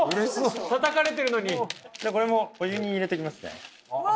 たたかれてるのにこれもお湯に入れていきますねわあ！